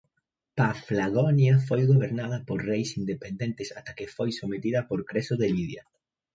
Paflagonia foi gobernada por reis independentes ata que foi sometida por Creso de Lidia.